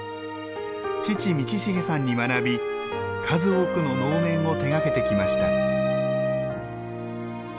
父・通成さんに学び数多くの能面を手がけてきました。